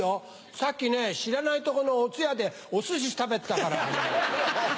さっきね知らないとこのお通夜でお寿司食べてたから。